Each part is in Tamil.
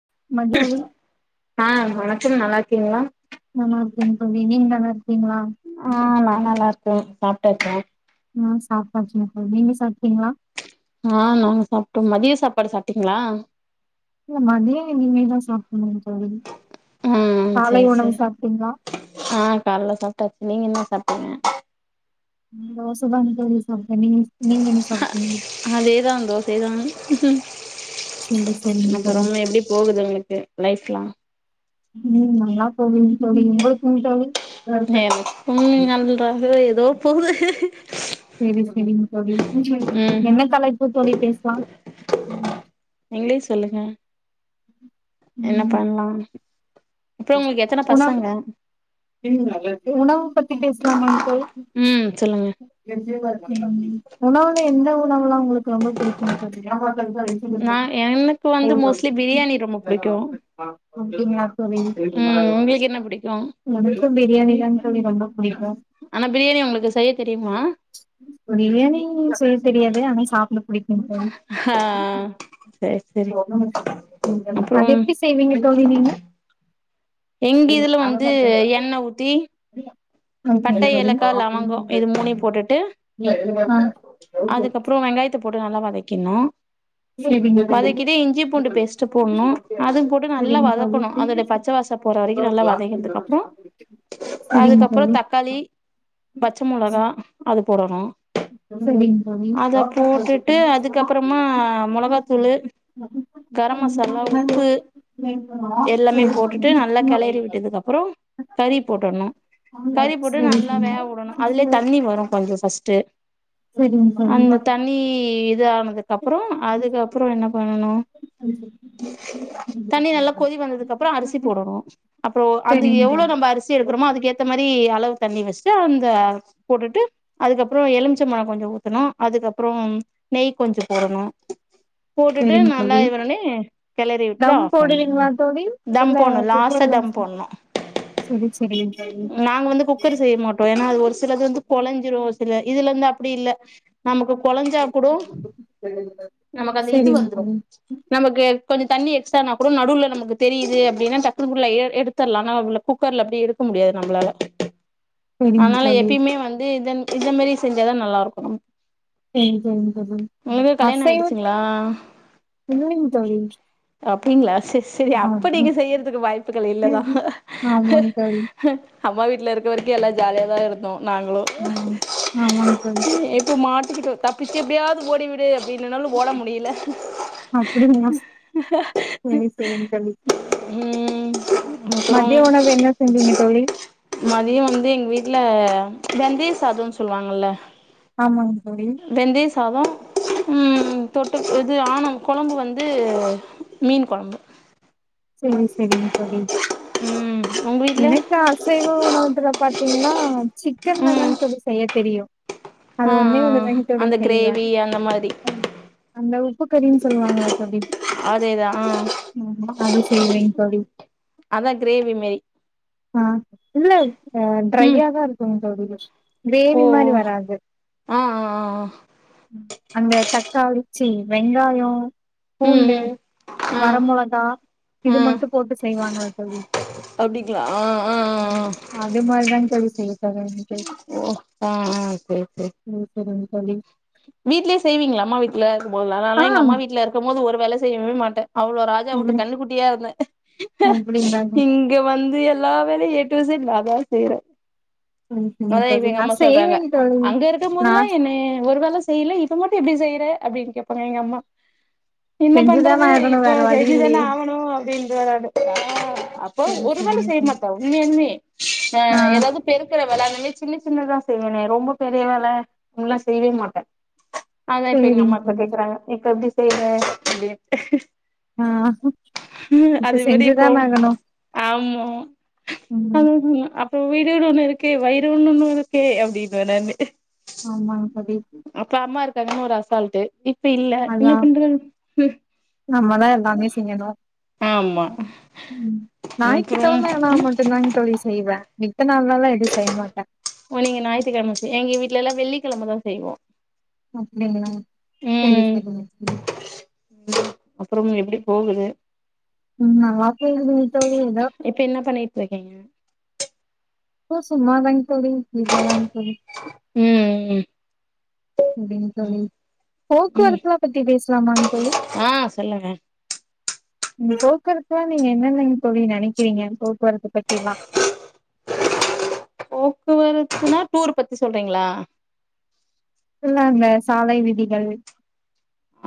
[unintelligible] நல்லாருக்கீங்ளா நல்லாருக்கேங் தோழி நீங்க நல்லா இருக்கீங்களா ஆ ம நா நல்லாருக்கே சாப்ட்டாச்சா ஆ சாப்டாச்சீங்க தோழி நீங்க சாப்டிங்ளா ஆ நாங்க சாப்ட்டோ மதிய சாப்பாடு சாப்ட்டீங்ளா இல்ல மதிய இனிமேதா சாப்புட்ணு ம் ம் சேரி சேரி சாப்ட்டீங்களா ஆ கால்ல சாப்ட்டாச்சு நீங்க என்ன டீங்க தோச தாங் தோழி சாப்டே நீங்க என்ன சாப்டிங்க அதே தான் தோசை தான் சரி சரிங்க தோழி அப்ரம் எப்டி போகுது உங்களுக்கு லைஃப்லாம் உம் நல்லா போகுதுங் தோழி உங்களுக்குங் தோழி [unintelligible] ம் நன்றாகவே எதோ போது சரி சரிங் தோழி ம் என்ன தலைப்பு தோழி பேசலா நீங்களே சொல்லுங்க என்ன பண்லா அப்புறோ உங்களுக்கு எத்தன உணவு பசங்க உணவு பத் தி பேசலாம்மா ம் சொல்லுங்க [unintelligible] உணவுல எந்த உணவுலாம் உங்களுக்கு ரொம்ப பிடிக்கும்ன்னு சொல்ரிங்க்ளா [unintelligible] நா எனக்கு வந்து மோஸ்ட்லி பிரியாணி ரொம்ப புடிக்கு ம் உங்களுக்கு என்ன புடிக்கு எனக்கும் பிரியாணி தான் தோழி ரொம்ப [unintelligible] புடிக்கும் ஆனா பிரியாணி உங்களுக்கு செய்ய தெரியுமா பிரியாணி சே தெரியாது ஆன சாப்ட புடிக் ஆ சரி சரி அது அப்புறம் எப்டி செய்வீங்க தோழி நீங்க எங்க இதுல வந்து எண்ண ஊத்தி ஆ பட்டை ஏலக்கா லவங்கம் இது மூணையும் போட்டுட்டு அதுக்கப்புறம் வெங்காயத்தை போட்டு நல்லா வதைக்கணு செரிங்க தோழி வதக்கிட்டே இஞ்சி பூண்டு பேஸ்ட்ட் போடன்னு அது போட்டு நல்லா செரிங்க தோழி வதக்கணும் அதோடைய பச்சை வாச போற வரைக்கும் நல்லா வதக்கதுக்கு அப்புறம் செரிங்க அதுக்கப்புறம் தோழி தக் தக்காளி பச்சை மொளகா அது போடனு போட்டுட்டு அதுக்கப்புறமா மொளகாத்தூளு கரம் ரி மசாலா உப்பு எல்லாமே போட்டுட்டு நல்லா கெளறி விட்டதுக்கு அப்புறோ கறி போட்டுட்ணு [unintelligible] கறி போட்டு நல்லா வேக விடணும் அதுலயே தண்ணி வரும் கொஞ்சம் ஃபர்ஸ்ட்டு அந்த தண்ணி இது ஆன துக்கப்பற அதுக்கப்பற என்ன பண்ணணு தண்ணி நல்லா கொதி வந்ததுக்கப்பற அரிசி போடணு அப்பற அது சரிங்க எவ்ளோ தோழி நம்ப அரிசி எடுக்கறமோ அதுக்கு ஏத்த மாரி அளவு தண்ணி வெச்சுட்டு அந்த போட்டுட்டு அதுக்கப்பற எலுமிச்சம்பழ கொஞ்ச ஊத்தணு அதுக்கப்புற நெய் கொஞ்ச போடணு போட்டுட்டு சரிங்க நல்லா தோழி இவரனி கெளறி விட்டு தம் ஆஃப் பண்ணு போடுவீங்களா தோழி தம் இல்ல போணு லாஸ்ட்டா குக்கர்ல தம் போடணு சரி சரிங்க தோழி நாங்க வந்து குக்கர் செய்ய மாட்டோ ஏனா அது ஒரு சில துல வந்து கொலஞ்சிரு சில இதுல வந்து அப்டி இல்ல நமக்கு கொலஞ்சா கூடொ நமக்கு அந்த இது சரிங்க வந்துரு தோழி நமக்கு கொஞ்ச தண்ணி எக்ஸ்ட்ரானா கூட நடுவுல நமக்கு தெரியுது அப்டின்னா டக்குன்குள்ள எடுத்தர்லா ஆனா குக்கர்ல அப்டி எடுக்க முடியாது நம்பளால சரிங்க அதனால தோழி எப்யுமே வந்து இதன் இந்த மாரி செஞ்சாதான் நல்லா இருக்கும் சரிங்க தோழி சரி [inaudible] உங்களுக்கு கல்யாண ஆயிடுச்சுங்களா இல்லிங்க தோழி அப்படிங்களா சர் சரி அப்ப ஆ நீங்க செய்யறதுக்கு வாய்ப்புகள் இல்லதான் ஆமாங் தோழி அம்மா வீட்டில் இருக்கிறரைக்கும் எல்லாம் ஜாலியாக தான் இருந்தோம் நாங்களும் ஆமாங் ஆமாங் தோழி எப்போ மாட் தப்பிச்சு எப்படியாவது ஓடி விடு னாலும் ஓட முடியல சரி சரிங்க தோழி ம் அப்புறோ மத்திய உணவு என்ன செஞ்சிங்க தோழி ஆ வெந்தய சாதம்ன் சொல்லுவாங்கல்ல ஆமாங் தோழி வெந்தய சாதம் உம் தொட்டு இது ஆனும் குழம்பு வந்து மீன் கொழம்பு சரிங்க சரிங்க தோழி ம் உங்க வீட்ல எனக்கு அசைவ உணவத்துல பாத்தீங்கன்னா ம் சிக்கன்லதாங் தோழி செய்ய தெரியும் அது ஆ ஒன்னே ஒன்னு ஆ தாங் தோழி அந்த செய்வே கிரேவி அந்த மாரி அந்த உப்பு கறின்னு சொல்லுவாங்கல்ல தோழி அதேதா ஆ ம் அது செ செய்வேங் தோழி அதா கிரேவி மாரி ஆஹ் இல்ல அஹ் ம் ட்ரையா தான் இருக்கும் [unintelligible] ஓ கிரேவி மாரி ஓ வராது ஆ ஆ ஆ அந்த தக்காளி சரி வெங்காயோ ம் பூண்டு ம் வர ம் மொளகா இது ம் மட்டும் போட்டு செய்வாங்கள்ள தோழி அப்டிங்களா ஆ ஆ ஆ அதே மாரிதாங் தோழி செய்யப் போறேன் இன்னிக்கி ஓ ஆ ஆ சேரி சேரி ம் [unintelligible] தோழி வீட்லயே செய்வீங்களா அம்மா வீட்ல ஆ முதல்லல்லா எங்க அம்மா வீட்ல இருக்கும்போது ஒரு வேல செய்யவே மாட்டேன் அவ்ளோ ராஜா விட்டு ம் கண்ணக்குட்டியா இருந்தே அப்டிங்களா இங்க வந்து எல்லா வேலையும் எ [unintelligible] நாதான் செய்றேன் ம் ம் அதான் தோழி இப்ப எங்க நா அம்மா சொல்றாங்க செய்வேங் தோழி அங்க இருக்கும் நா போதுல்லா என்னய ஒரு வேல செய்யல இது மட் எப்டி செய்யற அப்டின்னு கேப்பாங்க எங்க அம்மா என்ன செஞ்சுதான பண்றது ஆகணு இப்ப வேற வழி செஞ்சுதானே இல்லையே ஆகணும் அப்டின்றுவே நானு ஆஹ் அப்போ சரி ஒரு வேல சரிங்க தோழி செய்யமாட்டா உண்மேலுமே ஆ ஆஹ் ஏதாவது பெருக்கிற வேல அது சின்ன சின்னதான் செய்வேனே ரொம்ப பெரிய வேல அதுங்கல்லாம் செய்வே மாட்டேன் அதான் இப்ப எங்க சேரிங்க அம்மா இப்ப தோழி கேக்குறாங்க இப்ப எப்டி செய்வே அப்டின் ஆ ம் இப்ப அதவிட இப்போ செஞ்சுதான ஆகணு ஆமா ம் அதா சொன்னே அப் வீடுனு ஒண்ணு இருக்கு வை இது உன்னோனு இருக்கே அப்டின்னுவே நானு ஆமா அப்ப அம்மா இருக்காங்கன்னு ஒரு ஆசால் டு இ இப்ப இல்ல என்ன அதா பண்றது நம்மதா எல்லாமே செய்யணு ஹும் ம் ஞாயித்து கிழமை ஆனா அப்றோ மட்டும்தாங் தோழி செய்வேன் அப்பிடி ஓ நீங்க ஞாயித்து கிழம செய் எங்க வீட்லல்லாம் வெள்ளி கிழமதான் செய்வோம் அப்டிங்களா சேரி சேரிங்க சேரி அப்புறம் எப்டி போகுது உம் வாப்பது எதோ இப்ப என்ன பண்ணிட்டு இருக்கீங்க இப்போ சும்மா தாங்க தோழி வீட்லதாங்க தோழி உம் அப்படின்னு தோழி போக்குவரத்துலாம் பத்தி பேச சலாம்மாங் ஆஹ் சொல்லுங்க இந்த போக்குவரத்துலாம் நீங்க என்னென்னங்க தோழி நினைக்கிறீங்க போக்குவரத்து பத்தில்லாம் போக்குவரத்துன்னா டூர் பத்தி சொல்றீங்களா இல்ல அந்த சாலை விதிகள்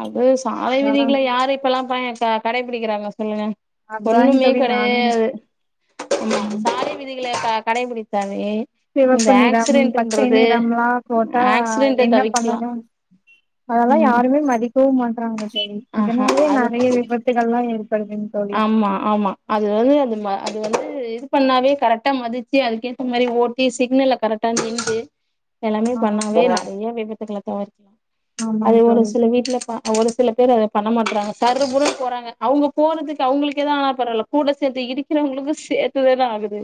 அது சாலை அதலா விதிகளை யாரு இப்ப எல்லாம் பயன் கடைபிடிக்கிறாங்க சொல்லுங்க அதுதாங்க ஒண்ணுமே தோழி நானு கிடையாது ஆமா ம் சாலை விதி இல்லயா க கடைபிடித்தாங்க சிவப்பு நிறம் பச்சை நிறம் எல்லாம் போட்டா ஆக்சிடென்ட்ட என்ன தவிர்க்கலா பண்ணணும் அதெல்லாம் ம் யாருமே மதி க்கவும் மாட்றாங்க ஆஹா இதனாலே அது நிறைய விபத்துகள்லாம் இருக்கு ஆமா ஆமா அது வந்து அது வந்து பண்ணாவே கரெக்டா மதிச்சு அதுக்கேத்த மாரி ஓட்டி சிக்னல்ல கரெக்டா நின்னு எல்லாமே பண்ணாவே ஆமாங்க நிறைய விபத்துக்கள தவிர்க்கலாம் அது ஆமாங்க ஒரு தோழி சில வீட்டுல பா ஒரு சில பேர் அத பண்ண மாட்றாங்க சர் புர்ருனு போறாங்க அவங்க போறதுக்கு அவங்களுக்கு எது ஆனா பர வால கூட சேர்த்து இடிக்கிறவங்களுக்கு சேர்த்துதான ஆகுது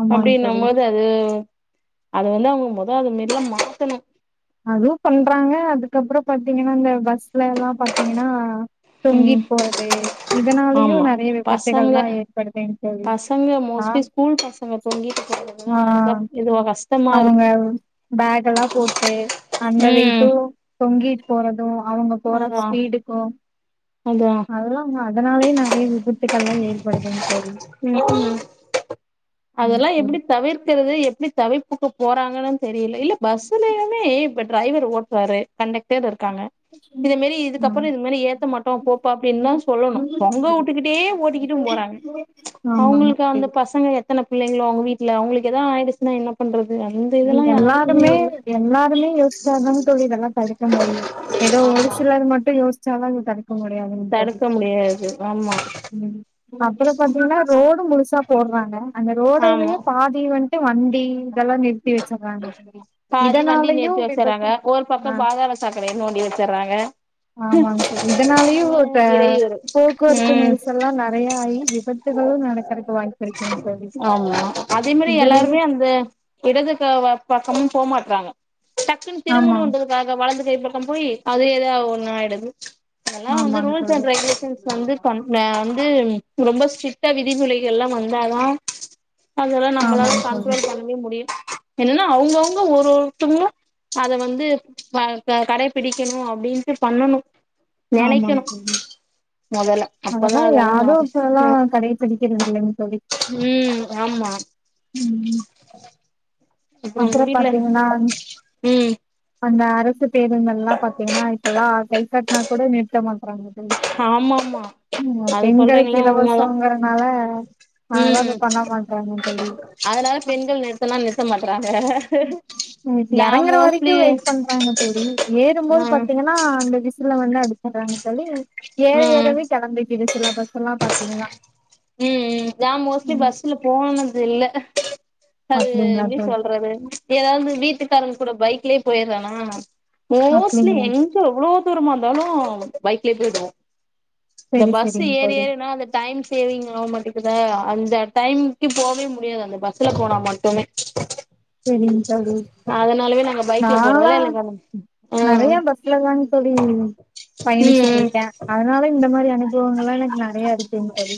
ஆமாங்க அப்படின் தோழி நம்மது அது அதை வந்து அவங்க மொத அது மதிரிலாம் மாத்தணும் அதுவும் பண்றாங்க அதுக்கப்புறம் பாத்தீங்கன்னா இந்த பஸ்ல எல்லாம் பாத்தீங்கன்னா ம் தொங்கிட்டு போறது இதனாலயும் ஆமா நிறைய விபத்துகள் பசங்க தான் ஏற்படுது பசங்க மோஸ்ட்லி ஸ்கூல் பசங்க தொங்கிட்டு போறதுல ஆ இதுவ அவங்க பேக் எல்லாம் போட்டு அந்த ம் வெயிட்டும் தொங்கிட்டு போறதும் அவங்க போற அதா ஸ்பீடுக்கும் அதா அதெல்லாம் அதனாலயே நெறைய விபத்து ம் ம், அதெல்லா எப்டி தவிர்க்கிறது எப்டி தவிர்ப்புக்குப் போறாங்கனூ தெரில இல்ல பஸ்ஸுலயூமே ப ட்ரைவர் ஓட்டுறாரு கண்டக்டர் இருக் க்காங்க ம். இதுமாரி ஆ. இதுக்கப்றோ இது மாரி ஏத்த மாட்டோ போப்பா அப்டின் தா சொல்லணூ தொங்கவுட்டுக்கிட்டே ஓட்டிக்கிட்டு போறாங்க ஆமாங்க அவங்ளுக்கு தோழி அந்த பசங்க எத்தனப் இல்லைங்ளா அவுங்க வீட்டல அவுங்களுக்கு ஏதா ஆயிடுச்னா என்ன பண்றது அந்த இதெல்லா ம் யாருக்குமே எல்லாருமே இல்ல எல்லாருமே யோஸ்த்தாந்தா தோழி இதெல்லா தடுக்க முடியூ ஏதோ ஒரு ஆமா சிலர் மட்டூ யோஸ் சவங்க தடுக்க முடியாதுங் தோழி தடுக்க முடியாது ஆமா ம் அத்ல பாத்திங்னா ரோட் முழுசா போடுறாங்க அந்த ரோடவே ஆமா பாதி வண் எ வண்டி இதெல்லா நிறுத்தி வச்சுறாங்க [inaudible] பாதி வண்டி இதனாலயூ நிறுத்தி வச்சறாங்க விபத்து ஒரு பக்கோ ஆ பாதாள சாக்கடைய நோண்டி வச்சறாங்க ஆமாங்க சொல்லி இதனாலயூ இந்த இடையூறு போக்குவரத்து ம் நெர்சல்லா நறைய ஆயி எப் ஆமா அதே மாரி இதுலயு எல்லாருமே அந்த இடது க வ பக்கமூ போ மாட்றாங்க டக்குனு ஆமா திருமணூன்றதுக்காக வலது தே பக்கோ போய் அது ஏதாவ ஒன்னாயிடுது அதெல்லா வந்து ஆமாங்க ரூல்ஸ் தோழி அண்ட் ரெகுலேஷன்ஸ் வந்து பண் ஆ து ரொம்ப ஸ்ட்ரிக் டா விதிமுலைகள்லா வந்தாதா அதெல்லா நம்மளால ஆமாங்க தோழி கண்ட்ரோல் பண்ணவே முடி என்னன்னா அவங்கவுங்க ஒரு ஒருத்தங்களூ அத வந்து க க கடைபிடிக்கணூ அப்டின்ட்டு பண்ணணூ ஆமாங் தோழி மொதல்ல அப்பதா அதெல்லா யாரூ மாறு இப்பலா கடைப் பிடிக்கிறதில்லைங் தோழி ம் ஆமா அப்புறோ அப்றோ உங்க வீட்ல பாத்தீங்னா அந் ம் அந்த பஸ்ஸுப் பேருந்தெல்லா பாத்தீங்னா இப்பெல்லா கைகாட்னா கூட நிறுத்த மாட்றாங்க ஆமா ஆமா ம் ம் அது பெண்களுக்கு சொல்றீங்களா உண்மதா இலவசங்கிறனால அதல்லா ம் இப்போ பண்ண மாட்றாங்க தோழி அதனால பெண்கள் நிறுத்தனா நிறுத்த மாட்றாங்க நா எறங்குற வரைக்கு மோஸ்ட்லி வெயிட் பண்றாங்க தோழி ஆ ஏறும்போது ம் பாத்தீங்கன்னா அந்த விசுல வந்து அ [unintelligible] தோழி ஏற ம் ஏறவே கிளம்பிறுது சில பஸ்லா பாத் [unintelligible] உம் உம் நா மோஸ்ட்லி பஸ்ல போனது இல்ல அது அப்டிங்களா எப்டி தோழி சொல்றது ஏதாவது வீட்டுக் வீட்டுகாரங்க கூட பைக்லயே போயிடுறானா மோஸ்ட்லி அப்டிங்களா எங்க எவ்ளோ தூரமா இருந்தாலு பைக்லயே போயிடுவோ இந்த செரி பஸ் செரிங்க ஏறி தோழி ஏறனா அந்த டைம் [unintelligible] அவமட்டுக்குத அந்த டைம்க்கு போவே முடியாது அந்த பஸ்ல போனா மட்டுமே சேரிங்க தோழி அதனாலவே நாங்க நா பைக்ல போறதால எனக்கு அந்த நறைய பஸ்லதாங்க தோழி ம் பயணிச்சட்டு இருக்க அதனால இந்த மாரி அனு அனுபவங்களா எனக்கு நறைய இருக்குங்க தோழி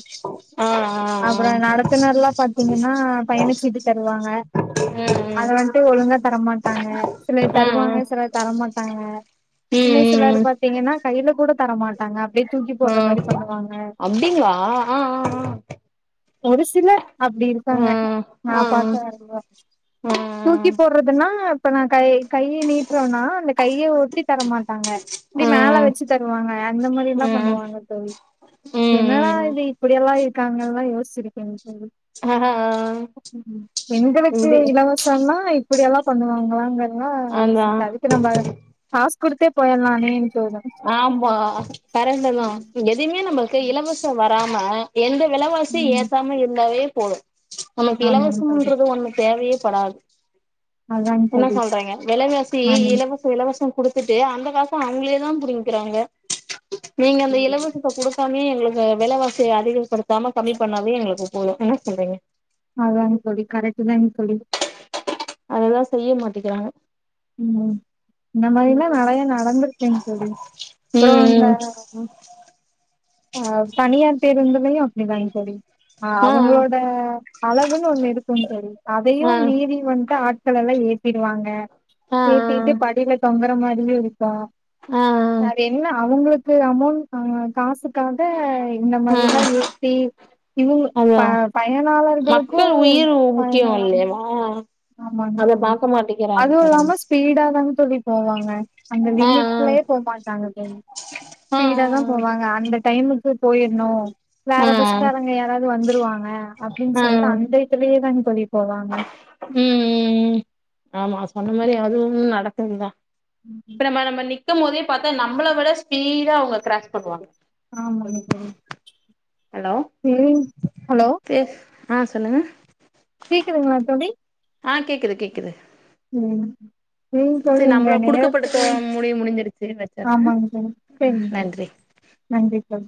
அப்புற நடத்துனர்ல பாத்தீங்கன்னா பயணிச்சீட்டு தருவாங்க அத வந்ட்டு ஒழுங்கா தரமாட்டாங்க சிலர் தருவாங்க சில தரமாட்டாங்க இன்னு ம் சிலர் பாத்தீங்கன்னா கையில கூட தரமாட்டாங்க அப்டி தூக்கி போடுற ம் மாரி பண்ணுவாங்க ஆ ஆ ஆ ஒரு சிலர் அப்டி இருக்காங்க ம் நா ம் ஆ ஆ ம் ம் ம் ஆ அப்டிங்களா ஆ ஆ ஆ ஆ ஆ ஆ பார்த்த வரையுளு தூக்கி போடுறதுன்னா இப்ப நா கை கைய நீட்டுறோனா அந்த கைய ஒட்டி தரமாட்டாங்க இப்டி ஆ மேல ம் வச்சு தருவாங்க அந்த மாரில ம் பண்ணுவாங்க தோழி என்னன்னா இது இப்படியெல்லா இருக்காங்களா யோசிச்சுருக்க ஆ பெண்களுக்கு இப்டி இலவச இப்படியெல்லாம் பண்ணுவாங்களாங்க அதா ஆஹ் அதுக்கு நம்ம ஆஸ் ஆமா பறந்துதான் எதயுமே நம்ம இலவசம் வராம எந்த விலவாசி ம் ஏத்தாம இருந்தாவே போதும் நமக்கு ஆமாங்க தோழி இலவசம்ண்றது ஒண்ணு தேவையே பட அதாங்க [unintelligible] என்ன தோழி சொல்றேங்க வெலவாசி ஆமாங்க இலவசம் இலவசம் கொடுத்துட்டு அந்த காச அவங்களே தான் புடிங்கிக்கிறாங்க நீங்க அந்த இலவசத்தை கொடுக்காமே எங்களுக்கு விலவாசியை அதிகப்படுத்தாம கம்மி பண்ணாவே எங்களுக்கு போதும் என்ன சொல்றீங்க அதங்க தோழி கரட் தான் தோழி அதெல்லாம் செய்ய மாட்டிக்கிறாங்க உம் இந்த மாரிலாம் நிறைய நடந்திருக்கேன்னு தோழி அப்புறம் அந்த ம் ச ரந்தல அப்படி தாங்க தோழி ஆஹ் ஆ அவங்களோட அளவுன்னு ஒண்ணு இருக்கும்ன்னு தோழி ஆ அதையும் மீறி வந்துட்டு ஆட்கள்ளெல்லாம் ஏத்தி டிருவாங்க ஆ இது இது படில தொங்க அ மாதிரியும் இருக்கும் ஆ சரி என்ன அவங்களுக்கு அமௌண்ட்ஹ காசு காக இந்த ஆ மாரில்லாம் ஏத்தி இவுங்க ப அதா மக்கள் பயனாளர்களுக்கும் உயிர் பயன முக்கியோ இல்லையமா ஆமாங்க அத தோழி பாக்க மாட்டேங்கிறாங்க அதுவும் பாருங்க இல்லாம ஸ்பீடாதான சொல்லி போவாங்க அந்த ஆ லிமிட்லயே போமாட்டாங்க தோழி ஆ ஸ்பீடா தான் போவாங்க அந்த டைமுக்கு போயிருணும் ஆ வேற பஸ்காரங்க யாராவது வந்துருவாங்க அப்டின்னு ஆ சொல்லிட்டு ஆ அந்த இடத்துலயே தான்நி கூடி போவாங்க உம் உம் ஆமா சொன்ன மாரி அதுவும் நடக்குது தான் பிண்ண நம்ப நிக் இருக்கும் போதே பார்த்தா நம்மளை விட ஸ்பீடா அவங்க கிராஸ் பண்ணுவாங்க ஹலோ ம் ஹலோ பேஸ் ஆ சொல்லுங்க கேக்குதுங்களா தோழி ஆ கேக்குது கேக்குது ம் செரிங் தோழி சரி உங்க நம்மள நேர குடுக்கப்பட்ட முடிவு முடிஞ்சிருச்சு [inaudible] வச்சர்றே ஆமாங்க தோழி செரிங்க நன்றி [inaudible] நன்றி தோழி